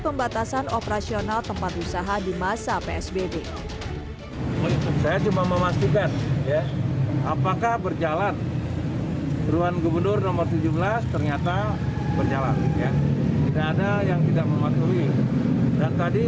mas keluar semua keluar keluar